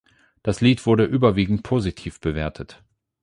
Das Lied wurde überwiegend positiv bewertet.